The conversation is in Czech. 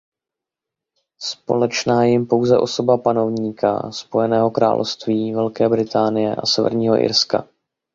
Společná je jim pouze osoba panovníka Spojeného království Velké Británie a Severního Irska.